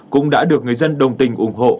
cũng đã được người dân đồng tình ủng hộ